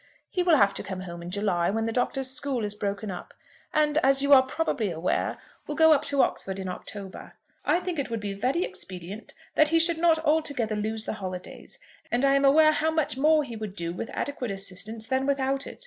He will have to come home in July, when the Doctor's school is broken up, and, as you are probably aware, will go up to Oxford in October. I think it would be very expedient that he should not altogether lose the holidays, and I am aware how much more he would do with adequate assistance than without it.